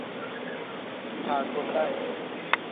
پرتو سنج